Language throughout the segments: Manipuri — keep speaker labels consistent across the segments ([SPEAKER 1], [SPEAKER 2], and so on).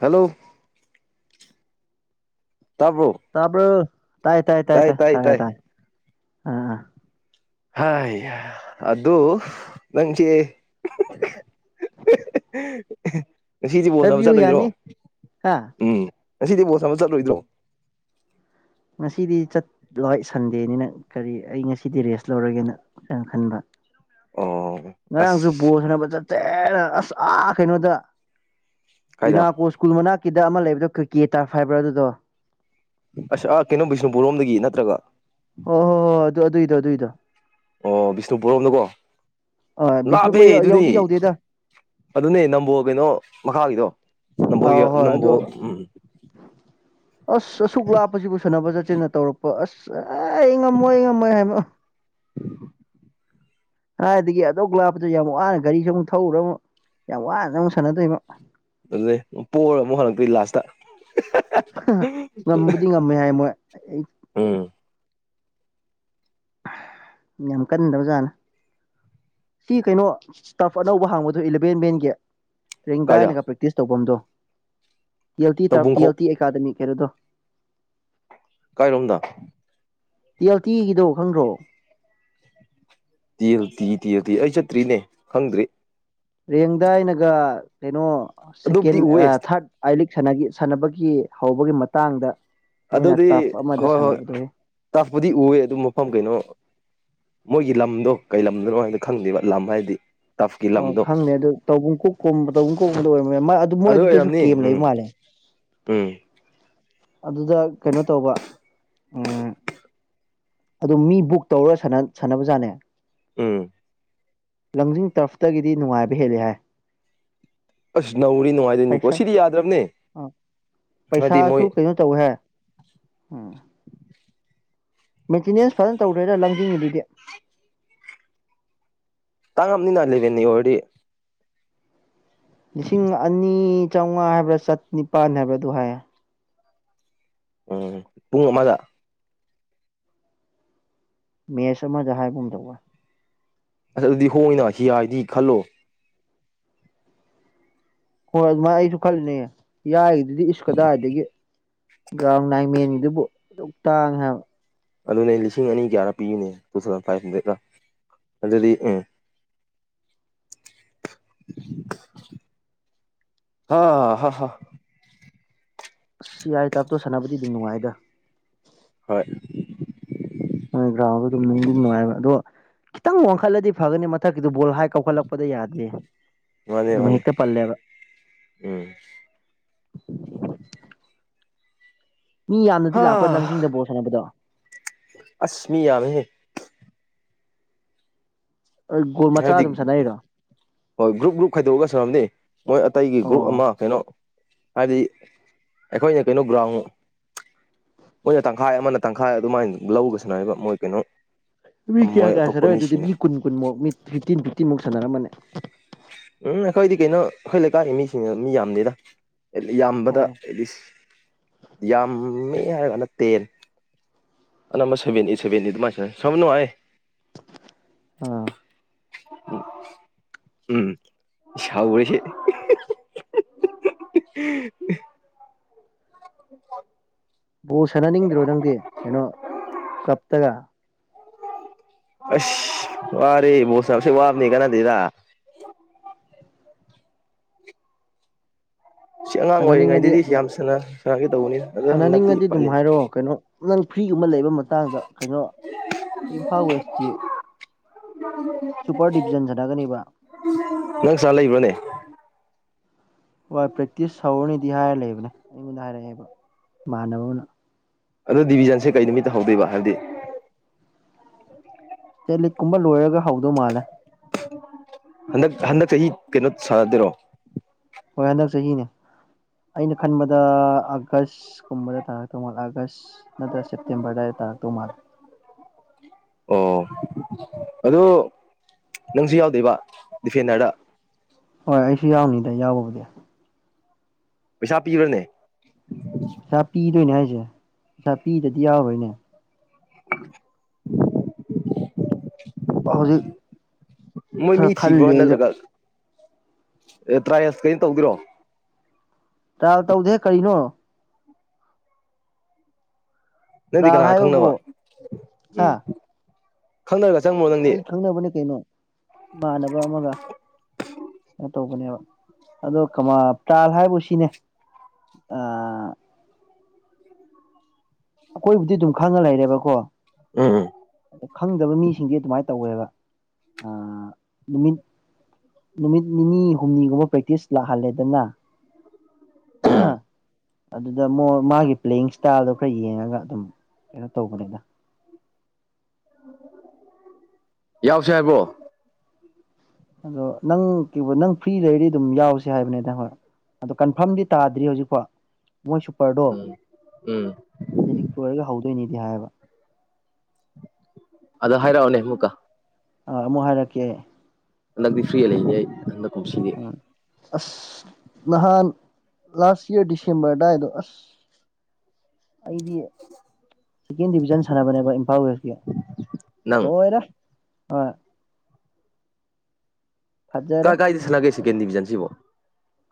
[SPEAKER 1] ꯍꯜꯂꯣ ꯇꯥꯕ꯭ꯔꯣ
[SPEAKER 2] ꯇꯕ꯭ꯔ ꯇꯥꯏ ꯇꯥꯏ ꯇꯥꯏ ꯇꯥꯏ ꯇꯥꯏ ꯇꯥꯏ ꯑ
[SPEAKER 1] ꯍ ꯑꯗ ꯅꯪꯒꯤꯦ ꯉ ꯁꯤꯗꯤ ꯕꯣꯁ ꯑꯃ
[SPEAKER 2] ꯍꯥꯏꯕꯤꯌꯨ
[SPEAKER 1] ꯆꯠꯂꯣꯏꯗ꯭ꯔꯣ
[SPEAKER 2] ꯌꯥꯅꯤ ꯍꯥ
[SPEAKER 1] ꯎꯝ ꯉꯁꯤꯗꯤ ꯕꯣꯁ ꯑꯃ ꯆꯠꯂꯣꯏꯗ꯭ꯔꯣ
[SPEAKER 2] ꯉꯁꯤꯗꯤ ꯆꯠꯂꯏ ꯁꯟꯗꯦꯅꯤꯅ ꯀꯔꯤ ꯑꯩ ꯉꯁꯤꯗꯤ ꯔꯦꯁ ꯂꯧꯔꯒꯦꯅ ꯑꯇꯪ ꯈꯟꯕ
[SPEAKER 1] ꯑꯣ
[SPEAKER 2] ꯉꯔꯥꯡꯁꯨ
[SPEAKER 1] ꯑꯁ
[SPEAKER 2] ꯕꯣꯁꯅꯕ ꯆꯠꯆꯦ ꯑꯁ ꯑꯥ ꯀꯩꯅꯣꯗ
[SPEAKER 1] ꯀꯥꯏꯗ
[SPEAKER 2] ꯌꯨꯅꯥꯀꯣ ꯁ꯭ꯀꯨꯜ ꯃꯅꯥꯛꯀꯤꯗ ꯑꯃ ꯂꯩꯕꯗꯣ ꯀꯩ ꯀꯦ ꯇꯥ ꯍꯥꯏꯕ꯭ꯔꯥ ꯑꯗꯨꯗꯣ
[SPEAKER 1] ꯑꯁ ꯑꯥ ꯀꯩꯅꯣ ꯕꯤꯁꯅꯨꯄꯨꯔ ꯔꯣꯝꯗꯒꯤ ꯅꯠꯇ꯭ꯔꯒ
[SPEAKER 2] ꯑꯣ ꯍꯣ ꯍꯣꯏ ꯑꯗꯨ ꯑꯗꯨꯏꯗꯣ ꯑꯗꯨꯏꯗꯣ
[SPEAKER 1] ꯑꯣ ꯕꯤꯁꯅꯨꯄꯨꯔꯝꯅꯀꯣ
[SPEAKER 2] ꯑ
[SPEAKER 1] ꯂꯥꯞꯍꯦ
[SPEAKER 2] ꯕꯤꯁꯅꯨꯄꯨꯔ
[SPEAKER 1] ꯑꯗꯨꯗꯤ
[SPEAKER 2] ꯌꯧꯗꯤ ꯌꯧꯗꯦꯗ
[SPEAKER 1] ꯑꯗꯨꯅꯦ ꯅꯝꯕꯣꯜ ꯀꯩꯅꯣ ꯃꯈꯥꯒꯤꯗꯣ ꯅꯝꯕ
[SPEAKER 2] ꯑꯥ ꯍꯣꯏ
[SPEAKER 1] ꯅꯝꯕ
[SPEAKER 2] ꯑꯗꯨ
[SPEAKER 1] ꯎꯝ
[SPEAKER 2] ꯑꯁ ꯑꯁꯨꯛ ꯂꯥꯞꯄꯁꯤꯕꯨ ꯁꯥꯟꯅꯕ ꯆꯠꯆꯦꯟꯅ ꯇꯧꯔꯛꯄ ꯑꯁ ꯑꯦ ꯑꯩ ꯉꯝꯃꯣꯏ ꯑꯩ ꯉꯝꯃꯣꯏ ꯍꯥꯏꯕꯣ
[SPEAKER 1] ꯎ
[SPEAKER 2] ꯍꯥꯏꯗꯒꯤ ꯑꯗꯧ ꯂꯥꯞꯄꯗ ꯌꯥꯝ ꯋꯥꯅ ꯒꯥꯔꯤꯁꯨ ꯑꯃꯨꯛ ꯊꯧꯎꯔ ꯑꯃꯨꯛ ꯌꯥꯝ ꯋꯥꯅ ꯑꯃꯨꯛ ꯁꯥꯟꯅꯗꯣꯏꯃ
[SPEAKER 1] ꯑꯗꯨꯗꯩ ꯄꯣꯔ ꯑꯃꯨꯛ ꯍꯜꯂꯛꯇꯣꯏ ꯂꯥꯁꯇ
[SPEAKER 2] ꯉꯕꯨꯗꯤ ꯉꯝꯃꯦ ꯍꯥꯏ ꯃꯣꯏ ꯑꯩ
[SPEAKER 1] ꯎꯝ
[SPEAKER 2] ꯌꯥꯝ ꯀꯅꯤꯗꯕꯖꯥꯂ ꯁꯤ ꯀꯩꯅꯣ ꯇꯔꯐ ꯑꯅꯧꯕ ꯍꯥꯡꯕꯗꯣ ꯏꯂꯚꯦꯟꯚꯦꯟꯒꯤ
[SPEAKER 1] ꯀꯥꯏꯗ
[SPEAKER 2] ꯄꯦꯡꯡꯗꯥꯏꯅꯒ ꯄ꯭ꯔꯦꯛꯇꯤꯁ ꯇꯧꯐꯝꯗꯣ ꯇꯤ ꯑꯦꯜ ꯇꯤ ꯇ ꯇꯤ ꯑꯦꯜ
[SPEAKER 1] ꯇꯧꯕꯨꯡꯈꯣꯛ
[SPEAKER 2] ꯇꯤ ꯑꯦꯀꯥꯗꯃꯤ ꯀꯩꯅꯣꯗꯣ
[SPEAKER 1] ꯀꯥꯏꯔꯣꯝꯗ
[SPEAKER 2] ꯇꯤ ꯑꯦꯜ ꯇꯤꯒꯤꯗꯣ ꯈꯪꯈ꯭ꯔꯣ
[SPEAKER 1] ꯇꯤ ꯍꯇꯤ ꯇꯦꯍꯨꯇꯤ ꯑꯩ ꯆꯠꯇ꯭ꯔꯤꯅꯦ ꯈꯪꯗ꯭ꯔꯤ
[SPEAKER 2] ꯔꯦꯡꯗ ꯑꯩꯅꯒ ꯀꯩꯅꯣ ꯁꯦꯀꯦꯟ
[SPEAKER 1] ꯑꯗꯨꯕꯨꯗꯤ ꯎꯋꯦ
[SPEAKER 2] ꯊꯥꯔꯠ ꯑꯛ ꯁꯥꯟꯅꯕꯒꯤ ꯍꯧꯕꯒꯤ ꯃꯇꯥꯡꯗ ꯃꯣꯏꯅ
[SPEAKER 1] ꯑꯗꯨꯗꯤ
[SPEAKER 2] ꯇꯔꯐ ꯑꯃꯗ
[SPEAKER 1] ꯍꯣꯏ ꯍꯣꯏ
[SPEAKER 2] ꯁꯥꯟꯅꯕꯗꯣꯍꯦ
[SPEAKER 1] ꯇꯥꯛꯄꯨꯗꯤ ꯎꯑꯦ ꯑꯗꯨꯝ ꯃꯐꯝ ꯀꯩꯅꯣ ꯃꯣꯏꯒꯤ ꯂꯝꯗꯣ ꯀꯩ ꯂꯝꯗꯅꯣ ꯍꯥꯏꯗ ꯈꯪꯗꯦꯕ ꯂꯝ ꯍꯥꯏꯗꯤ ꯇꯐꯀꯤ
[SPEAKER 2] ꯑꯣ
[SPEAKER 1] ꯂꯝꯗꯣ
[SPEAKER 2] ꯈꯪꯅꯤꯦ ꯑꯗꯨꯣꯛꯨꯝꯗ ꯑꯣꯏꯔꯅꯦ ꯑꯗꯨ ꯃꯣꯏ ꯑꯗꯨꯗꯁꯨ
[SPEAKER 1] ꯑꯣꯏꯔꯝꯅꯤ
[SPEAKER 2] ꯀꯦꯝ
[SPEAKER 1] ꯎꯝ
[SPEAKER 2] ꯂꯩꯕ ꯃꯥꯜꯂꯦ
[SPEAKER 1] ꯎꯝ
[SPEAKER 2] ꯑꯗꯨꯗ ꯀꯩꯅꯣ ꯇꯧꯕ ꯎꯝ ꯑꯗꯨ ꯃꯤ ꯕꯨꯛ ꯇꯧꯔ ꯁꯥꯟꯅꯕꯖꯥꯠꯅꯦ
[SPEAKER 1] ꯎꯝ
[SPEAKER 2] ꯂꯪꯖꯤꯡ ꯇꯔꯐꯇꯒꯤꯗꯤ ꯅꯨꯡꯉꯥꯏꯕ ꯍꯦꯜꯜꯂꯤꯦ ꯍꯥꯏ
[SPEAKER 1] ꯑꯁ ꯅꯧꯔꯤ ꯅꯨꯡꯉꯥꯏꯗꯣꯏꯅꯤꯀꯣ
[SPEAKER 2] ꯄꯩꯁꯥ
[SPEAKER 1] ꯁꯤꯗꯤ ꯌꯥꯗ꯭ꯔꯕꯅꯦ
[SPEAKER 2] ꯑꯥ
[SPEAKER 1] ꯍꯥꯏꯗꯤ ꯃꯣꯏ
[SPEAKER 2] ꯄꯩꯁꯥꯁꯨ ꯀꯩꯅꯣ ꯇꯧꯍꯦ ꯎꯝ ꯃꯦꯟꯇꯦꯅꯦꯟꯁ ꯐꯖꯅ ꯇꯧꯔ꯭ꯔꯣꯏꯔꯥ ꯂꯝꯥꯡꯖꯤꯡꯉꯤꯗꯨꯗꯤ
[SPEAKER 1] ꯇꯥꯡꯉꯝꯅꯤ ꯅ ꯂꯩꯕꯦꯟꯅꯤ ꯑꯣꯏ
[SPEAKER 2] ꯂꯤꯁꯤꯡ ꯑꯅꯤ ꯆꯥꯝꯃꯉꯥ ꯍꯥꯏꯕ꯭ꯔꯥ ꯆꯅꯤꯄꯥꯜ ꯍꯥꯏꯕ꯭ꯔꯥ ꯑꯗꯨ ꯍꯥꯏꯌꯦ
[SPEAKER 1] ꯎꯝ ꯄꯨꯡ ꯑꯃꯗ
[SPEAKER 2] ꯃꯦꯁ ꯑꯃꯗ ꯍꯥꯏꯒꯨꯝ ꯇꯧꯕ
[SPEAKER 1] ꯑꯁ ꯑꯗꯨꯗꯤ ꯍꯣꯏꯅ ꯍꯤ ꯍꯥꯏꯗꯤ ꯈꯜꯂꯣ
[SPEAKER 2] ꯍꯣꯏ ꯑꯗꯨꯃꯥꯏꯅ ꯑꯩꯁꯨ ꯈꯜꯂꯅꯦ ꯌꯥꯔꯤꯗꯨꯗꯤ ꯏꯁ ꯀꯗꯥꯏꯗꯒꯤ ꯒ꯭ꯔꯥꯎꯟ ꯅꯥꯏꯟꯃꯦꯟꯒꯤꯗꯨꯕꯨ ꯑꯗꯨ ꯇꯥꯡꯉꯦ ꯍꯥꯏꯕ
[SPEAKER 1] ꯑꯗꯨꯅꯦ ꯂꯤꯁꯤꯡ ꯑꯅꯤ ꯀꯌꯥꯔ ꯄꯤꯌꯨꯅꯦ ꯇꯨ ꯊꯥꯎꯖꯟ ꯐꯥꯏꯚ ꯍꯟꯗ꯭ꯔꯦꯗꯀ ꯑꯗꯨꯗꯤ ꯎꯝ ꯑ ꯍ ꯍ
[SPEAKER 2] ꯑꯁ ꯌꯥꯏ ꯇꯥꯞꯇꯣ ꯁꯥꯟꯅꯕꯗꯤ ꯑꯗꯨꯝ ꯅꯨꯡꯉꯥꯏꯗ
[SPEAKER 1] ꯍꯣꯏ
[SPEAKER 2] ꯍꯣꯏ ꯒ꯭ꯔꯥꯎꯟꯗ ꯑꯗꯨꯝ ꯅꯤꯡꯅꯨꯡꯗꯤꯟ ꯅꯨꯡꯉꯥꯏꯕ ꯑꯗꯣ ꯈꯤꯇꯪ ꯋꯥꯡꯈꯠꯂꯗꯤ ꯐꯒꯅꯤ ꯃꯊꯛꯀꯤꯗꯨ ꯕꯣꯜ ꯍꯥꯏ ꯀꯧꯈꯠꯂꯛꯄꯗ ꯌꯥꯗꯦ
[SPEAKER 1] ꯃꯥꯅꯦ
[SPEAKER 2] ꯑꯗꯨꯝ
[SPEAKER 1] ꯃꯥꯅꯦ
[SPEAKER 2] ꯍꯦꯛꯇ ꯄꯜꯂꯦꯕ
[SPEAKER 1] ꯎꯝ
[SPEAKER 2] [unintelligible] ꯃꯤ
[SPEAKER 1] ꯍꯥ
[SPEAKER 2] ꯌꯥꯝꯅꯗꯤ ꯂꯥꯛꯄꯣꯏ ꯂꯪꯖꯤꯡꯗ ꯕꯣꯠ ꯁꯥꯟꯅꯕꯗꯣ
[SPEAKER 1] ꯑꯁꯃꯤ ꯌꯥꯃꯦꯍꯦ
[SPEAKER 2] ꯒꯣꯜ ꯃꯆꯥ
[SPEAKER 1] ꯍꯥꯏꯕꯗꯤ
[SPEAKER 2] ꯑꯗꯨꯝ ꯁꯥꯟꯅꯩꯔꯣ
[SPEAKER 1] ꯍꯣꯏ ꯒ꯭ꯔꯨꯞ ꯒ꯭ꯔꯨꯞ ꯈꯥꯏꯗꯣꯛꯑꯒ ꯁꯔꯝꯦ ꯃꯣꯏ ꯑꯇꯩꯒꯤ ꯒ꯭ꯔꯨꯞ
[SPEAKER 2] ꯑꯣ
[SPEAKER 1] ꯑꯃ ꯀꯩꯅꯣ ꯍꯥꯏꯕꯗꯤ ꯑꯩꯈꯣꯏꯅ ꯀꯩꯅꯣ ꯒ꯭ꯔꯥꯎꯟ ꯃꯣꯏꯅ ꯇꯪꯈꯥꯏ ꯑꯃꯅ ꯇꯪꯈꯥꯏ ꯑꯗꯨꯃꯥꯏꯅ ꯂꯧꯒꯁꯤꯅꯕ ꯃꯣꯏ ꯀꯩꯅꯣ
[SPEAKER 2] ꯃꯤ
[SPEAKER 1] ꯃꯣꯏ
[SPEAKER 2] ꯀꯌꯥ ꯀꯌꯥ
[SPEAKER 1] ꯑꯇꯣꯞꯄ
[SPEAKER 2] ꯁꯥꯟꯅꯔꯣꯏ ꯑꯗꯨꯗꯤ
[SPEAKER 1] ꯃꯤꯁꯤꯡꯅ
[SPEAKER 2] ꯃꯤ ꯀꯨꯟ ꯀꯨꯟꯃꯨꯛ ꯃꯤ ꯐꯤꯞꯇꯤꯟ ꯐꯤꯞꯇꯤꯟꯃꯨꯛ ꯁꯥꯟꯅꯔꯝꯃꯅꯦ
[SPEAKER 1] ꯎꯝ ꯑꯩꯈꯣꯏꯗꯤ ꯀꯩꯅꯣ ꯑꯩꯈꯣꯏ ꯂꯩꯀꯥꯏꯒꯤ ꯃꯤꯁꯤꯡꯅ ꯃꯤ ꯌꯥꯝꯗꯦꯗ ꯌꯥꯝꯕꯗ
[SPEAKER 2] ꯑꯣ
[SPEAKER 1] ꯑꯦꯠꯂꯤꯁ ꯌꯥꯝꯃꯦ ꯍꯥꯏꯔꯒꯥꯟꯗ ꯇꯦꯟ ꯑꯅ ꯑꯃ ꯁꯦꯕꯦꯟ ꯏ ꯁꯦꯕꯦꯟ ꯏꯗ ꯃꯥꯁ ꯁꯝꯅ ꯍꯥꯏ
[SPEAKER 2] ꯑꯥ
[SPEAKER 1] ꯎꯝ ꯁꯥꯥꯎ ꯋꯥꯔꯤꯁꯦ ꯎ [unintelligible]
[SPEAKER 2] ꯕꯣ ꯁꯥꯟꯅꯅꯤꯡꯗ꯭ꯔꯣ ꯅꯪꯗꯤ ꯀꯩꯅꯣ ꯀꯞꯇꯒ
[SPEAKER 1] ꯎ ꯑꯁ ꯑꯔꯦ ꯃꯁꯁꯦ ꯋꯥꯕꯅꯤ ꯀꯅꯥ ꯇꯤꯗ ꯁꯤ ꯑꯉꯥꯡ
[SPEAKER 2] ꯁꯥꯟꯅꯅꯤꯡꯉꯗꯤ
[SPEAKER 1] ꯑꯣꯏꯔꯤꯉꯩꯗꯗꯤ ꯌꯥꯝ ꯁꯅ
[SPEAKER 2] ꯁꯥꯟꯅꯅꯤꯡꯉꯗꯤ ꯑꯗꯨꯝ ꯍꯥꯏꯔꯛꯑꯣ ꯀꯩꯅꯣ ꯅꯪ ꯐ꯭ꯔꯤꯒꯨꯝꯕ ꯂꯩꯕ ꯃꯇꯥꯡꯗ ꯀꯩꯅꯣ ꯏ ꯐꯥꯎꯁ ꯀ
[SPEAKER 1] ꯅꯪ ꯁꯥꯥ ꯂꯩꯕ꯭ꯔꯅꯦ
[SPEAKER 2] ꯍꯣꯏ ꯄ꯭ꯔꯦꯛꯇꯤꯁ ꯍꯧꯔꯅꯤꯗꯤ ꯍꯥꯏꯔ ꯂꯩꯕꯅꯦ ꯑꯩꯉꯣꯟꯗ ꯍꯥꯏꯔꯛꯑꯦꯕ ꯏꯃꯅꯕ ꯑꯃꯅ
[SPEAKER 1] ꯑꯣ ꯗꯤꯕꯤꯖꯟꯁꯦ ꯀꯩ ꯅꯨꯃꯤꯠꯇꯍꯧꯗꯣꯏꯕ ꯍꯥꯏꯕꯗꯤ
[SPEAKER 2] ꯏꯁꯇꯦꯠ ꯂꯤꯛ ꯀꯨꯝꯕ ꯂꯣꯏꯔꯒ ꯍꯧꯗꯧ ꯃꯥꯜꯂꯦ
[SPEAKER 1] ꯍꯟꯗꯛ ꯍꯟꯗꯛ ꯆꯍꯤ ꯆꯍꯤ ꯀꯩꯅꯣ ꯁꯥꯟꯅꯗꯦꯔꯣ
[SPEAKER 2] ꯍꯣꯏ ꯍꯟꯗꯛ ꯆꯍꯤꯅꯦ ꯑꯩꯅ ꯈꯟꯕꯗ ꯑꯥꯒꯁꯀꯨꯝꯕꯗ ꯇꯥꯔ ꯇꯉꯜꯂ ꯑꯥꯒꯁ ꯅꯠꯇ꯭ꯔ ꯁꯦꯞꯇꯦꯝꯔꯗꯏ ꯇꯥꯔꯛꯇꯧ ꯃꯥꯜꯂꯦ
[SPEAKER 1] ꯑꯣ ꯑꯗꯨ ꯅꯪꯁꯨ ꯌꯥꯎꯗꯣꯏꯕ ꯗꯤꯐꯦꯟꯗꯔꯗ
[SPEAKER 2] ꯍꯣꯏ ꯑꯩꯁꯨ ꯌꯥꯎꯅꯤꯗ ꯌꯥꯎꯕꯕꯨꯗꯤ
[SPEAKER 1] ꯄꯩꯁꯥ ꯄꯤꯕ꯭ꯔꯅꯦ
[SPEAKER 2] ꯄꯩꯁꯥ ꯄꯤꯗꯣꯏꯅꯦ ꯍꯥꯏꯁꯦ ꯄꯩꯁꯥ ꯄꯤꯗꯗꯤ ꯌꯥꯎꯔꯣꯏꯅꯦ ꯍꯧꯖꯤꯛ
[SPEAKER 1] ꯃꯣꯏ ꯃꯤ
[SPEAKER 2] ꯈꯔ
[SPEAKER 1] ꯁꯤꯕ꯭ꯔꯣ
[SPEAKER 2] ꯈꯜꯂꯦ ꯑꯩꯁꯨ
[SPEAKER 1] ꯅꯠꯇ꯭ꯔꯒ ꯇ꯭ꯔꯥꯏꯌꯦꯁ ꯀꯩꯅꯣ ꯇꯧꯗꯔꯣ
[SPEAKER 2] ꯇ꯭ꯔꯥ ꯇꯧꯗꯦ ꯀꯔꯤꯅꯣ
[SPEAKER 1] ꯅꯪꯗꯤ
[SPEAKER 2] ꯇ꯭ꯔꯥꯏꯜ
[SPEAKER 1] ꯀꯅꯥꯅ
[SPEAKER 2] ꯍꯥꯏꯕꯕꯨ
[SPEAKER 1] ꯈꯪꯅꯕ
[SPEAKER 2] ꯍꯥ
[SPEAKER 1] ꯎꯝ ꯈꯪꯅꯔꯒꯠ
[SPEAKER 2] ꯑꯩ ꯈꯪꯅꯕꯅꯦ ꯀꯩꯅꯣ ꯏꯃꯅꯕ ꯑꯃꯒ ꯇꯧꯕꯅꯦꯕ ꯑꯗꯣ ꯀꯃ ꯄꯥꯜ ꯍꯥꯏꯕꯨ ꯁꯤꯅꯦ ꯑꯩꯈꯣꯏꯕꯨꯗꯤ ꯑꯗꯨꯝ ꯈꯪꯉ ꯂꯩꯔꯦꯕꯀꯣ
[SPEAKER 1] ꯎꯝ
[SPEAKER 2] ꯑꯗꯣ ꯈꯪꯗꯕ ꯃꯤꯁꯤꯡꯗꯤ ꯑꯗꯨꯃꯥꯏꯅ ꯇꯧꯋꯦꯕ ꯅꯨꯃꯤꯠ ꯅꯨꯃꯤꯠ ꯅꯤꯅꯤ ꯍꯨꯝꯅꯤꯒꯨꯝꯕ ꯄ꯭ꯔꯦꯛꯇꯤꯁ ꯂꯥꯛꯍꯜꯂꯦꯗꯅ
[SPEAKER 1] ꯎꯝ
[SPEAKER 2] ꯑꯗꯨꯗ ꯃ ꯃꯥꯒꯤ ꯄ꯭ꯂꯦꯌꯤꯡ ꯏꯁꯇꯥꯏꯜꯗꯣ ꯈꯔ ꯌꯦꯡꯉꯒ ꯑꯗꯨꯝ ꯀꯩꯅꯣ ꯇꯧꯕꯅꯤꯅ
[SPEAKER 1] ꯌꯥꯎꯁꯦ ꯍꯥꯏꯕꯣ
[SPEAKER 2] ꯑꯗꯣ ꯅꯪ ꯀꯩ ꯅꯪ ꯐ꯭ꯔꯤ ꯂꯩꯔꯤ ꯑꯗꯨꯝ ꯌꯥꯎꯁ ꯍꯥꯏꯕꯅꯤꯗ ꯍꯣꯏ ꯑꯣ ꯀꯟꯐꯥꯔꯝꯗꯤ ꯇꯥꯗ꯭ꯔꯤ ꯍꯧꯖꯤꯛꯐꯥꯎ ꯃꯣꯏ ꯁꯨꯄꯔꯗꯣꯦ
[SPEAKER 1] ꯎꯝ ꯎꯝ
[SPEAKER 2] ꯂꯣꯏꯔꯒ ꯍꯧꯗꯣꯏꯅꯤꯗꯤ ꯍꯥꯏꯕ
[SPEAKER 1] ꯑꯗꯣ ꯍꯥꯏꯔꯛꯑꯣꯅꯦ ꯑꯃꯨꯛꯀ
[SPEAKER 2] ꯑ ꯑꯃꯨꯛ ꯍꯥꯏꯔꯛꯀꯦ ꯑꯩ
[SPEAKER 1] ꯍꯟꯗꯛꯇꯤ ꯐ꯭ꯔꯤ ꯂꯩꯅꯤ ꯑꯩ ꯍꯟꯗꯛ ꯀꯨꯝꯁꯤꯗꯤ
[SPEAKER 2] ꯎꯝ ꯑꯁ ꯅꯍꯥꯟ ꯂꯥꯁ ꯏꯌꯥꯔ ꯁꯦꯝꯕꯔ ꯗꯥꯏꯗ ꯑꯁ
[SPEAKER 1] [unintelligible]
[SPEAKER 2] ꯑꯩꯗꯤ ꯁꯦꯀꯦꯟ ꯗꯤꯚꯖꯟ ꯁꯥꯟꯅꯕꯅꯦꯕ ꯏꯝꯐꯥꯜ ꯋꯦꯁꯀꯤ
[SPEAKER 1] ꯅꯪ
[SPEAKER 2] ꯂꯣꯏꯔꯦ ꯍꯣꯏ
[SPEAKER 1] ꯀꯥꯏ
[SPEAKER 2] ꯐꯖꯔꯦ
[SPEAKER 1] ꯀꯥꯏꯁ ꯂꯒꯦ ꯁꯦꯀꯦꯟ ꯗꯤꯚꯖꯟꯁꯤꯕꯦ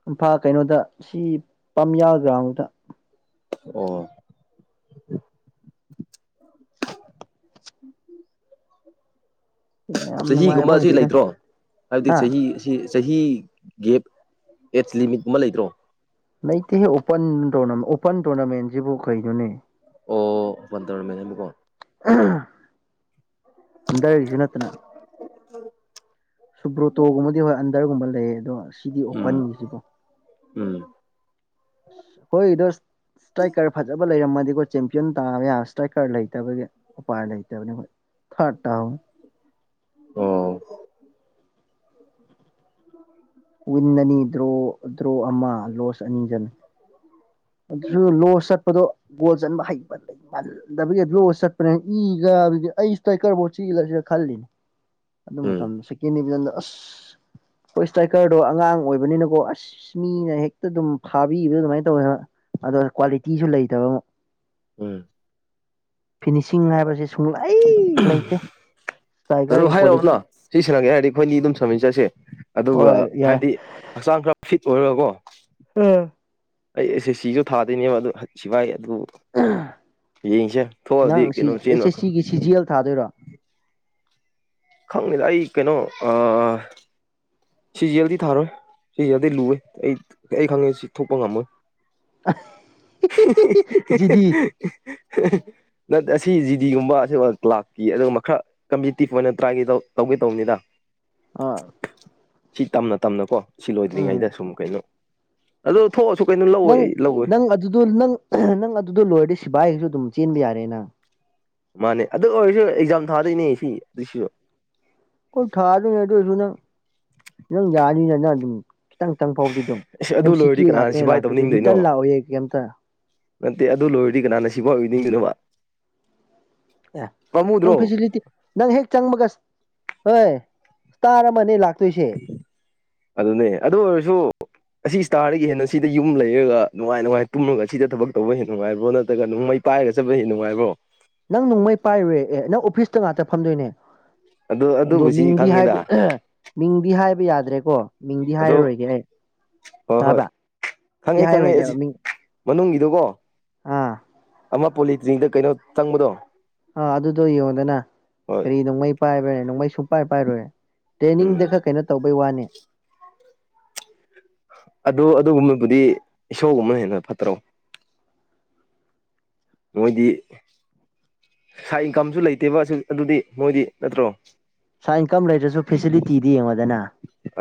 [SPEAKER 2] ꯏꯝꯐꯥ ꯀꯩꯅꯣꯗ ꯁꯤ ꯄꯥꯝꯌꯥ ꯒ꯭ꯔꯥꯎꯗ
[SPEAKER 1] ꯑꯣ
[SPEAKER 2] ꯌꯥꯝ
[SPEAKER 1] ꯆꯍꯤꯒꯨꯝꯕ
[SPEAKER 2] ꯅꯨꯡꯉꯥꯏꯕ
[SPEAKER 1] ꯑꯁꯤ
[SPEAKER 2] ꯑꯣꯏꯗꯦꯗ
[SPEAKER 1] ꯂꯩꯇ꯭ꯔꯣ ꯍꯥꯏꯕꯗꯤ
[SPEAKER 2] ꯍꯥ
[SPEAKER 1] ꯆꯍꯤ ꯑꯁꯤ ꯆꯍꯤ ꯒꯦ ꯑꯦꯖ ꯂꯤꯃꯤꯠ ꯑꯃ ꯂꯩꯇ꯭ꯔꯣ
[SPEAKER 2] ꯂꯩꯇꯦꯍꯦ ꯑꯣꯄꯟ ꯑꯣꯄꯟ ꯇꯣꯔꯅꯥꯃꯦꯟꯁꯤꯕꯨ ꯀꯩꯩꯅꯣꯅꯦ
[SPEAKER 1] ꯑꯣ ꯄꯟ ꯇꯧꯔꯃꯦꯅꯦꯅꯤꯀꯣ
[SPEAKER 2] ꯑꯗꯁꯨꯅꯠꯇꯅ
[SPEAKER 1] ꯍ
[SPEAKER 2] ꯁꯨꯕ꯭ꯔꯣꯇꯣꯒꯨꯝꯕꯗꯤ ꯍꯣꯏ ꯑꯟꯗꯔꯒꯨꯝꯕ ꯂꯩꯌꯦ ꯑꯗꯣ ꯁꯤꯗꯤ
[SPEAKER 1] ꯎꯝ
[SPEAKER 2] ꯑꯣꯄꯟꯒꯤꯁꯤꯕꯣ
[SPEAKER 1] ꯎꯝ
[SPEAKER 2] ꯀꯣꯏꯗꯣꯁ ꯏꯁꯇ꯭ꯔꯥꯏꯀꯔ ꯐꯖꯕ ꯂꯩꯔꯝꯃꯗꯤꯀꯣ ꯆꯦꯝꯄꯤꯌꯟ ꯇꯥꯕ ꯌꯥ ꯏꯁꯇ꯭ꯔꯥꯏꯀꯔ ꯂꯩꯇꯕꯒꯤ ꯎꯄꯥꯏ ꯂꯩꯇꯕꯅꯤ ꯍꯣꯏ ꯊꯔꯇ ꯑꯃ
[SPEAKER 1] ꯑꯣ
[SPEAKER 2] ꯋꯤꯟ ꯑꯅꯤ ꯗ꯭ꯔꯣ ꯗ꯭ꯔꯣ ꯑꯃ ꯂꯣꯁ ꯑꯅꯤꯖꯟ ꯑꯗꯨꯁꯨ ꯂꯣ ꯆꯠꯄꯗꯣ ꯒꯣꯜ ꯆꯟꯕ ꯍꯩꯕ ꯂꯩ ꯃꯜꯗꯕꯒꯤ ꯂꯣ ꯆꯠꯄꯅꯤꯅ ꯏꯒ ꯑꯩ ꯁꯤꯗ ꯑꯩ ꯀꯔꯐꯥꯎꯠ ꯆꯤꯒ꯭ꯔꯁꯤꯦ ꯈꯜꯂꯤꯅꯤ
[SPEAKER 1] [unintelligible]
[SPEAKER 2] ꯑꯗꯨ ꯃꯇꯝꯗ ꯁꯦꯀꯦꯟ ꯗꯤꯕꯤꯖꯟꯗ ꯑꯁ ꯍꯣꯏ ꯏꯁꯇ꯭ꯔꯥꯏꯀꯔꯗꯣ ꯑꯉꯥꯡ ꯑꯣꯏꯕꯅꯤꯅꯀꯣ ꯑꯁ ꯃꯤꯅ ꯍꯦꯛꯇ ꯑꯗꯨꯝ ꯐꯥꯕꯤꯕꯗꯣ ꯑꯗꯨꯃꯥꯏꯅ ꯇꯧꯋꯦ ꯑꯗꯣ ꯀ꯭ꯋꯥꯂꯤꯇꯤꯁꯨ ꯂꯩꯇꯕ ꯑꯃ
[SPEAKER 1] ꯎꯝ
[SPEAKER 2] ꯐꯤꯅꯤꯁꯤꯡ ꯍꯥꯏꯕꯁꯦ ꯁꯨꯡꯂꯩ ꯂꯩꯇꯦ
[SPEAKER 1] ꯑꯗꯨ
[SPEAKER 2] ꯏꯁꯇ꯭ꯔꯥꯏꯀꯔꯒꯤ ꯀ꯭ꯋꯥꯂꯤꯇꯤ
[SPEAKER 1] ꯍꯥꯏꯔꯛꯑꯣꯅ ꯁꯤ ꯁꯅꯒꯦ ꯍꯥꯏꯔꯗꯤ ꯑꯩꯈꯣꯏꯅꯤ ꯑꯗꯨꯝ ꯁꯝꯃꯤꯟ ꯆꯠꯁꯦ ꯑꯗꯨꯒ
[SPEAKER 2] ꯍꯣꯏ ꯌꯥꯏ
[SPEAKER 1] ꯍꯥꯏꯕꯗꯤ ꯍꯛꯆꯥꯡ ꯈꯔ ꯐꯤꯠ ꯑꯣꯏꯔꯒꯀꯣ
[SPEAKER 2] ꯎꯝ
[SPEAKER 1] ꯑꯩꯁꯦ ꯁꯤꯁꯨ ꯊꯥꯗꯣꯏꯅꯦꯕ ꯑꯗꯨ ꯁꯤꯚꯏ ꯑꯗꯨ ꯌꯦꯡꯁꯦ ꯊꯣꯛꯑꯗꯤ
[SPEAKER 2] ꯅꯪ ꯁꯤ
[SPEAKER 1] ꯀꯩꯅꯣ
[SPEAKER 2] ꯑꯦꯁ
[SPEAKER 1] ꯆꯦꯟ
[SPEAKER 2] ꯑꯦꯁ
[SPEAKER 1] ꯃꯈ
[SPEAKER 2] ꯁꯤꯒꯤ ꯁꯤ ꯖꯤ ꯑꯦꯜ ꯊꯥꯗꯣꯏꯔꯣ
[SPEAKER 1] ꯈꯪꯉꯗ ꯑꯩ ꯀꯩꯅꯣ ꯁꯤ ꯌꯦꯦꯜꯗꯤ ꯊꯥꯔꯣꯏ ꯁꯤ ꯌꯦꯦꯜꯗꯤ ꯂꯨꯏꯦ ꯑꯩ ꯑꯩ ꯈꯪꯉꯦ ꯁꯤ ꯊꯣꯛꯄ ꯉꯝꯃꯣꯏ
[SPEAKER 2] ꯖꯤꯗꯤ
[SPEAKER 1] [unintelligible] ꯅꯠ ꯑꯁꯤ ꯖꯤꯗꯤꯒꯨꯝꯕ ꯑꯁꯤ ꯂꯥꯛꯀꯤ ꯑꯗꯨꯒꯕ ꯈꯔ ꯀꯝꯄꯤꯇꯤꯇꯤꯞ ꯑꯣꯏꯅ ꯇ꯭ꯔ ꯇꯧꯒꯦ ꯇꯧꯕꯅꯤꯗ
[SPEAKER 2] ꯑ
[SPEAKER 1] ꯁꯤ ꯇꯝꯅ ꯇꯝꯅꯀꯣ ꯁꯤ ꯂꯣꯏꯗ꯭ꯔꯤꯉꯩꯗ ꯁꯨꯝ ꯀꯩꯅꯣ ꯑꯗꯨ ꯊꯣꯛꯑꯁꯨ ꯀꯩꯅꯣ ꯂꯧꯋꯣꯏ
[SPEAKER 2] ꯅꯪ
[SPEAKER 1] ꯑꯩ ꯂꯧꯋꯣꯏ
[SPEAKER 2] ꯅꯪ ꯑꯗꯨꯗꯣ ꯅꯪ ꯅꯪ ꯑꯗꯨꯗꯣ ꯂꯣꯏꯔꯗꯤ ꯁꯤꯕꯥꯥꯏꯁꯨ ꯑꯗꯨꯝ ꯆꯦꯟꯕ ꯌꯥꯔꯦꯅ
[SPEAKER 1] ꯃꯥꯅꯦ ꯑꯗꯨ ꯑꯣꯏꯔꯁꯨ ꯑꯦꯛꯖꯥꯝ ꯊꯥꯗꯣꯏꯅꯦ ꯁꯤ ꯑꯗꯨꯁꯨ
[SPEAKER 2] ꯀꯣꯏ ꯊꯥꯗꯅꯦꯗꯁꯨ ꯅ ꯏ ꯌꯥꯗ ꯅꯅ ꯑꯗꯨ ꯈꯤꯇꯪꯇꯪ ꯐꯥꯎꯗꯤ ꯑꯗꯨꯝ
[SPEAKER 1] ꯑꯁ ꯑꯗꯨ
[SPEAKER 2] ꯑꯦꯝ
[SPEAKER 1] ꯂꯣꯏꯔꯗꯤ
[SPEAKER 2] ꯁꯤꯀ꯭ꯌꯨ
[SPEAKER 1] ꯀꯅꯥꯅ
[SPEAKER 2] ꯉꯥꯛꯇꯅꯦ
[SPEAKER 1] ꯁꯤꯐꯥꯏ
[SPEAKER 2] ꯂꯥꯛꯇꯣꯏꯁꯦ
[SPEAKER 1] ꯇꯧꯅꯤꯡꯗꯣꯏꯅꯣ
[SPEAKER 2] ꯔꯤꯇꯟ ꯂꯥꯛꯑꯣ ꯀꯩꯝꯇ
[SPEAKER 1] ꯅꯠꯇꯦ ꯑꯗꯨ ꯂꯣꯏꯔꯗꯤ ꯀꯅꯥꯅ ꯁꯤꯐꯥꯎ ꯑꯣꯏꯕꯤꯅꯤꯡꯗꯅꯣꯕ
[SPEAKER 2] ꯑꯦ ꯅꯪ ꯐꯦꯁꯤꯂꯤꯇꯤ ꯅꯪ ꯍꯦꯛ ꯆꯪꯕꯒ ꯍꯣꯏ ꯏꯁꯇꯥꯔ ꯑꯃꯅꯦ ꯂꯥꯛꯇꯣꯏꯁꯦ
[SPEAKER 1] ꯑꯗꯨꯅꯦ ꯑꯗꯨ ꯑꯣꯏꯔꯁꯨ ꯑꯁꯤ ꯏꯁꯇꯥꯔꯗꯒꯤ ꯍꯦꯟꯅ ꯁꯤꯗ ꯌꯨꯝ ꯂꯩꯔꯒ ꯅꯨꯡꯉꯥꯏ ꯅꯨꯡꯉꯥꯏꯅ ꯇꯨꯝꯃꯒ ꯁꯤꯗ ꯊꯕꯛ ꯇꯧꯕ ꯍꯦ ꯅꯨꯡꯉꯥꯏꯕ꯭ꯔꯣ ꯅꯠꯇ꯭ꯔꯒ ꯅꯨꯡ ꯃꯩ ꯄꯥꯏꯒ ꯆꯠ ꯍꯦ ꯅꯨꯡꯉꯥꯏꯕ꯭ꯔꯣ
[SPEAKER 2] ꯅꯪ ꯅꯣꯡꯃꯩ ꯄꯥꯏꯔꯨꯔꯦ ꯑꯦ ꯅꯪ ꯑꯣꯐꯤꯁꯇ ꯉꯥꯛꯇ ꯐꯝꯗꯣꯏꯅꯦ
[SPEAKER 1] ꯑꯗꯨ
[SPEAKER 2] ꯑꯗꯣ
[SPEAKER 1] ꯑꯗꯨꯕꯨꯁꯤ
[SPEAKER 2] ꯃꯤꯡꯗꯤ
[SPEAKER 1] ꯈꯪꯉꯤꯗ
[SPEAKER 2] ꯍꯥꯏꯕ ꯃꯤꯡꯗꯤ ꯍꯥꯏꯕ ꯌꯥꯗ꯭ꯔꯦꯀꯣ ꯃꯤꯡꯗꯤ
[SPEAKER 1] ꯑꯗꯣ
[SPEAKER 2] ꯍꯥꯏꯔꯔꯣꯏꯒꯦ ꯑꯩ
[SPEAKER 1] ꯍꯣꯏ ꯍꯣꯏ
[SPEAKER 2] ꯇꯥꯕ꯭ꯔꯥꯗꯤ
[SPEAKER 1] ꯈꯪꯉꯦ ꯈꯪꯉꯦ
[SPEAKER 2] ꯍꯥꯏꯔꯔꯣꯏꯒꯦꯕ
[SPEAKER 1] ꯑꯁꯤ
[SPEAKER 2] ꯃꯤꯡ
[SPEAKER 1] ꯃꯅꯨꯡꯒꯤꯗꯨꯀꯣ
[SPEAKER 2] ꯑꯥ
[SPEAKER 1] ꯑꯃ ꯄꯣꯂꯤꯇꯤꯅꯤꯗ ꯀꯩꯅꯣ ꯆꯪꯕꯗꯣ
[SPEAKER 2] ꯑꯥ ꯑꯗꯨꯗꯣ ꯌꯦꯡꯗꯅ
[SPEAKER 1] ꯍꯣꯏ
[SPEAKER 2] ꯀꯔꯤ ꯅꯣꯡꯃꯩ ꯄꯥꯏꯕ꯭ꯔꯅ ꯅꯣꯡꯃꯩ ꯁ ꯄꯥꯏ ꯄꯥꯏꯔꯣꯏꯦ
[SPEAKER 1] ꯎꯝ
[SPEAKER 2] ꯇ꯭ꯔꯦꯅꯤꯡꯗ ꯈꯔ ꯀꯩꯅꯣ ꯇꯧꯕꯩ ꯋꯥꯅꯤ
[SPEAKER 1] ꯑꯗꯨ ꯑꯗꯨꯒꯨꯝꯕꯕꯨꯗꯤ ꯏꯁꯣꯔꯒꯨꯝꯅ ꯍꯦꯟꯅ ꯐꯠꯇ꯭ꯔꯣ ꯃꯣꯏꯗꯤ ꯉꯥꯏ ꯏꯟꯀꯝꯁꯨ ꯂꯩꯇꯦꯕ ꯑꯗꯨꯗꯤ ꯃꯣꯏꯗꯤ ꯅꯠꯇ꯭ꯔꯣ
[SPEAKER 2] ꯁꯥꯏ ꯏꯟꯀꯝ ꯂꯩꯔꯁꯨ ꯐꯦꯁꯤꯂꯤꯇꯤꯗꯤ ꯌꯦꯡꯉꯗꯅ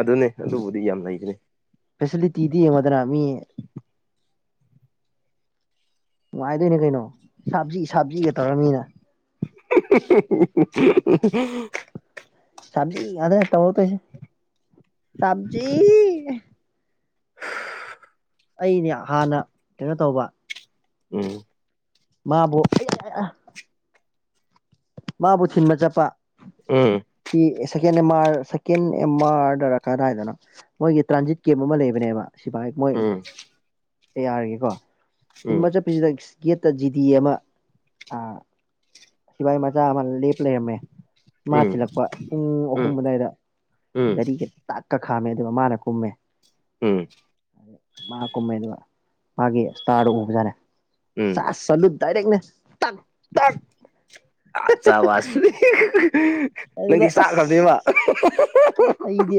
[SPEAKER 1] ꯑꯗꯨꯅꯦ ꯑꯗꯨꯕꯨꯗꯤ ꯌꯥꯝ ꯂꯩꯕꯅꯦ
[SPEAKER 2] ꯇꯤꯗꯤ ꯑꯦ ꯃꯗꯨꯅꯥꯃꯤ
[SPEAKER 1] [unintelligible]
[SPEAKER 2] ꯅꯨꯡꯉꯥꯏꯗꯣꯏꯅꯦ ꯀꯩꯅꯣ ꯁꯥꯞꯖꯤ ꯁꯥꯞꯖꯤꯒ ꯇꯧꯔꯝꯅꯤꯅ
[SPEAKER 1] [unintelligible]
[SPEAKER 2] ꯁꯖꯤ ꯑꯗ ꯇ ꯁꯖꯤ ꯑꯩꯅꯦ ꯍꯥꯟꯅ ꯀꯩꯅꯣ ꯇꯧꯕ
[SPEAKER 1] ꯎꯝ
[SPEAKER 2] ꯃꯥꯕꯨꯣ ꯃꯥꯕꯨ ꯊꯤꯟꯕ ꯆꯠꯄ
[SPEAKER 1] ꯎꯝ
[SPEAKER 2] C second M R second M ꯑꯥꯔꯗꯔ ꯀꯥꯗꯥ ꯍꯥꯏꯏꯗꯅ ꯃꯣꯏꯒꯤ ꯇ꯭ꯔꯥꯟꯖꯤꯠ ꯀꯦꯝꯞ ꯑꯃ ꯂꯩꯕꯅꯦꯕ ꯁꯤꯐꯥꯏ ꯃꯣꯏ
[SPEAKER 1] ꯎꯝ
[SPEAKER 2] ꯌꯥꯔꯒꯦꯀꯣ ꯊꯤꯟꯕ
[SPEAKER 1] ꯎꯝ
[SPEAKER 2] ꯆꯠꯄꯤꯁꯤꯗ ꯒꯦꯠꯇ ꯖꯤꯗꯤ ꯑꯃ ꯁꯤꯕꯥꯏ ꯃꯆꯥ ꯑꯃ ꯂꯦꯞ ꯂꯩꯔꯝꯃꯦ ꯃꯥ
[SPEAKER 1] ꯎꯝ
[SPEAKER 2] ꯁꯤꯤꯜꯂꯛꯄ ꯄꯨꯡ ꯑꯍꯨꯝ
[SPEAKER 1] ꯎꯝ
[SPEAKER 2] ꯑꯗꯨꯋꯥꯏꯗ
[SPEAKER 1] ꯎꯝ
[SPEAKER 2] ꯒꯥꯔꯤꯒ ꯇ ꯀꯛ ꯈꯥꯝꯃꯦ ꯑꯗꯨꯒ ꯃꯥꯅ ꯀꯨꯝꯃꯦ
[SPEAKER 1] ꯎꯝ
[SPEAKER 2] ꯃꯥꯅ ꯀꯨꯝꯃꯦ ꯑꯗꯨꯒ ꯃꯥꯒꯤ ꯏꯁꯇꯥꯔꯗ ꯎꯕꯖꯥꯠꯅꯦꯦ
[SPEAKER 1] ꯎꯝ
[SPEAKER 2] ꯆ ꯆꯠꯂꯨ ꯗꯥꯏꯔꯦꯛꯅꯦꯛ
[SPEAKER 1] ꯑ ꯆꯕꯁ
[SPEAKER 2] ꯑꯗꯨꯗ
[SPEAKER 1] ꯅꯪꯗꯤ ꯆꯥꯛꯈ꯭ꯔꯕꯗꯤꯕ
[SPEAKER 2] ꯑꯁ ꯑꯩꯗꯤ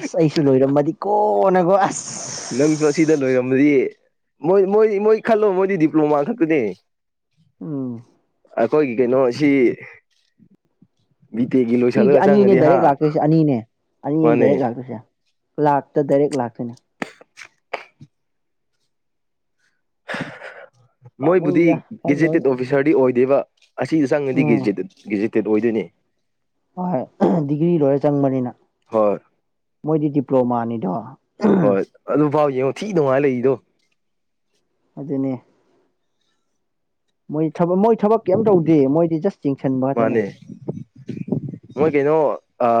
[SPEAKER 2] ꯑꯁ ꯑꯩꯁꯨ ꯂꯣꯏꯔꯝꯃꯗꯤ ꯀꯣ
[SPEAKER 1] ꯅꯪꯁꯨ ꯑꯁꯤꯗ ꯂꯣꯏꯔꯝꯃ ꯃꯣꯏ ꯃꯣꯏꯗꯤ ꯃꯣꯏ ꯈꯜꯂꯣ ꯃꯣꯏꯗꯤ ꯗꯤꯄ꯭ꯂꯣꯃꯥ ꯈꯛꯇꯅꯦ
[SPEAKER 2] ꯎꯝ
[SPEAKER 1] ꯑꯩꯈꯣꯏꯒꯤ ꯀꯩꯅꯣꯁꯤ
[SPEAKER 2] ꯁꯤꯒꯤꯗꯤ ꯑꯅꯤꯅꯦ ꯗꯥꯏꯔꯦꯛ ꯂꯥꯛꯇꯣꯏꯁꯦ ꯑꯅꯤꯅꯦ ꯑꯅꯤ ꯗꯥꯏꯔꯦꯛ
[SPEAKER 1] ꯃꯥꯅꯦ
[SPEAKER 2] ꯂꯥꯛꯇꯣꯏꯁꯦ ꯂꯥꯛꯇ ꯗꯥꯏꯔꯦꯛ ꯂꯥꯛꯇꯣꯏꯅ
[SPEAKER 1] ꯃꯣꯏꯕꯨꯗꯤ
[SPEAKER 2] ꯄꯥꯝꯃꯨꯏꯗ ꯈꯜꯂꯨꯔꯅꯨ
[SPEAKER 1] ꯒꯦꯖꯦꯇꯦꯠ ꯑꯣꯐꯤꯁꯥꯔꯗꯤ ꯑꯣꯏꯗꯦꯕ ꯑꯁꯤꯗ ꯆꯪꯉꯗꯤ
[SPEAKER 2] ꯎꯝ
[SPEAKER 1] ꯏꯁꯇꯦꯠ ꯑꯣꯏꯗꯣꯏꯅꯤ
[SPEAKER 2] ꯍꯣꯏ ꯗꯤꯒ꯭ꯔꯤ ꯂꯣꯏꯔ ꯆꯪꯕꯅꯤꯅ
[SPEAKER 1] ꯍꯣꯏ
[SPEAKER 2] ꯃꯣꯏꯗꯤ ꯗꯤꯄ꯭ꯂꯣꯃꯥꯅꯤꯗꯣ
[SPEAKER 1] ꯐꯥꯎ ꯌꯦꯡꯉꯣ ꯊꯤꯗꯅꯨꯡꯉꯥꯏ ꯂꯩꯏꯗꯣ
[SPEAKER 2] ꯑꯗꯨꯅꯦ ꯃꯣꯏ ꯃꯣꯏ ꯊꯕꯛ ꯀꯩꯝ ꯇꯧꯗꯦ ꯃꯣꯏꯗꯤ ꯖꯁ ꯆꯤꯡꯁꯤꯟꯕ ꯉꯥꯛꯇꯅꯦ
[SPEAKER 1] ꯃꯥꯅꯦ ꯃꯣꯏ ꯀꯩꯅꯣ ꯑ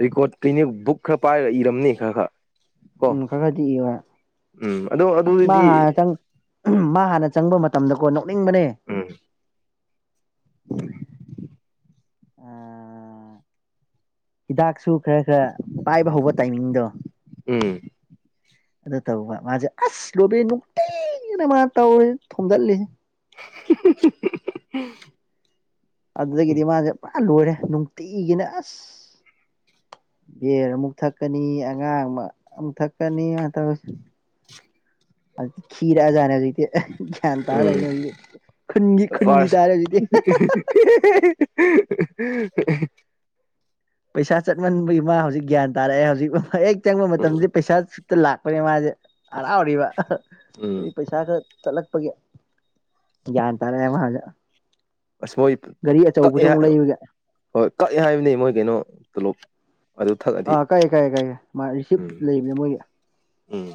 [SPEAKER 1] ꯔꯦꯀꯣꯔꯠꯇꯅꯦ ꯕꯨꯛ ꯈꯔ ꯄꯥꯏꯔ ꯏꯔꯝꯅꯦ ꯈꯔ ꯈꯔ ꯀꯣ
[SPEAKER 2] ꯎꯝ ꯈꯔ ꯈꯗꯤ ꯏ
[SPEAKER 1] ꯎꯝ ꯑꯗꯣ
[SPEAKER 2] ꯑꯁ ꯃꯥ
[SPEAKER 1] ꯑꯗꯨꯗꯤ
[SPEAKER 2] ꯍꯥꯟꯅꯇꯪ ꯎ ꯃꯥ ꯍꯥꯟꯅ ꯆꯪꯕ ꯃꯇꯝꯗꯀꯣ ꯅꯣꯛꯅꯤꯡꯕꯅꯦ
[SPEAKER 1] ꯎ
[SPEAKER 2] ꯑ ꯍꯤꯗꯥꯛꯁꯨ ꯈꯔ ꯈꯔ ꯄꯥꯏꯕ ꯍꯧꯕ ꯇꯥꯏꯃꯤꯡꯗꯣ
[SPEAKER 1] ꯎꯝ
[SPEAKER 2] ꯑꯗꯨ ꯇꯧꯕ ꯃꯥꯁꯦ ꯑꯁ ꯂꯣꯕ ꯅꯨꯡꯇꯤꯅ ꯃꯥ ꯇꯧꯔꯤ ꯊꯣꯝꯒꯜꯂꯤ
[SPEAKER 1] [unintelligible]
[SPEAKER 2] ꯑꯗꯨꯗꯒꯤꯗꯤ ꯃꯥꯁꯦ ꯄꯨꯔꯥ ꯂꯣꯏꯔꯦ ꯅꯨꯡꯇꯤꯒꯤꯅꯦ ꯑꯁ ꯔ ꯑꯃꯨꯛ ꯊꯛꯀꯅꯤ ꯑꯉꯥꯡ ꯑꯃ ꯑꯃꯨꯛ ꯊꯛꯀꯅꯤ ꯑꯗꯨꯃꯅ ꯇꯧꯔꯁꯤ
[SPEAKER 1] [unintelligible]
[SPEAKER 2] ꯑꯗꯨꯛꯇ ꯊꯈꯤꯔꯛꯑꯖꯥꯠꯅꯦ ꯍꯧꯖꯤꯛꯇꯤ ꯒ꯭ꯌꯥꯟ ꯇꯥꯔ ꯂꯩꯕꯅꯤ ꯍꯧꯖꯤꯛꯇ
[SPEAKER 1] ꯐꯔꯁ [unintelligible]
[SPEAKER 2] ꯄꯩꯁꯥ ꯆꯠꯃꯟꯕꯒꯤ ꯃꯥ ꯍꯧꯖꯤꯛ ꯒ꯭ꯌꯥꯟ ꯇꯥꯔꯛꯑꯦ ꯍꯧꯖꯤꯛ ꯍꯦꯛ ꯆꯪꯕ
[SPEAKER 1] ꯎꯝ
[SPEAKER 2] ꯃꯇꯝꯗꯗꯤ ꯄꯩꯁꯥ ꯂꯥꯛꯄꯅꯦ ꯃꯥꯁꯦ ꯍꯔꯥꯎꯔꯤꯕ ꯑꯗꯨ
[SPEAKER 1] ꯎꯝ
[SPEAKER 2] ꯄꯩꯁꯥ ꯈꯛ ꯆꯠꯂꯛꯄꯒꯤ ꯒ꯭ꯌꯥꯟ ꯇꯥꯔꯛꯑꯦ ꯃꯍꯥꯛꯥꯟꯅ
[SPEAKER 1] ꯑꯁ ꯃꯣꯏ ꯀꯛꯑꯦ ꯍꯥꯏ ꯍꯣꯏ ꯀꯛꯑꯦ ꯍꯥꯏꯕꯅꯤ ꯃꯣꯏ ꯀꯩꯅꯣꯣꯂꯣꯞ
[SPEAKER 2] ꯑꯥ ꯀꯥꯏꯑꯦ ꯀꯥꯏꯑꯦ ꯀꯥꯏꯑꯦ ꯃꯥ
[SPEAKER 1] ꯎꯝ
[SPEAKER 2] ꯔꯤꯁꯤꯞꯇ ꯂꯩꯕꯅꯦ ꯃꯣꯏꯒꯤ
[SPEAKER 1] ꯎꯝ